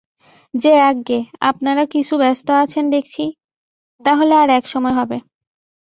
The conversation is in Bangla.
যে আজ্ঞে, আপনারা কিছু ব্যস্ত আছেন দেখছি, তা হলে আর-এক সময় হবে।